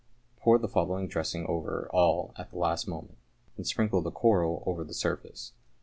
Pour the following dressing over all at the last moment, and sprinkle the coral over the surface.